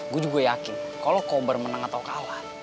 gue juga yakin kalau kobar menang atau kalah